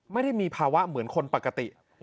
ไม่ได้มีภาวะเหมือนคนปกติ